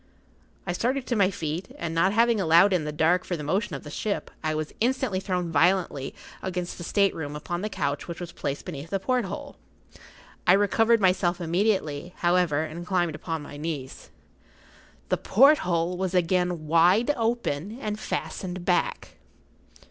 I started to my feet, and not having allowed in the dark for the motion of the ship, I was instantly thrown violently across the state room upon the couch which was placed beneath the porthole. I recovered myself immediately, however, and climbed upon my knees. The porthole was again wide open and fastened back!